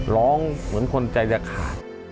ร้องเหมือนคนใจจะขาด